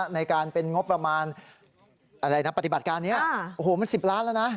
ในการเป็นงบประมาณอะไรนะปฏิบัติการนี้โอ้โหมัน๑๐ล้านแล้วนะ